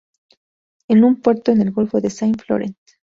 Es un puerto en el golfo de Saint-Florent.